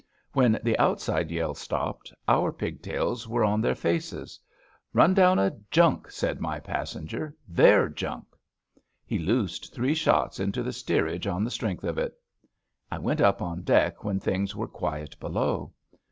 When the out side yell stopped, our pigtails were on their faces. ^ Eun down a junk,* said my passenger —* their junk.' He loosed three shots into the steerage on the strength of it. I went up on deck when things were quiet below.